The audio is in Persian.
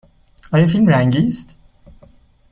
آیا فیلم رنگی است؟